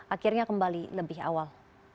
akhirnya kembali lebih awal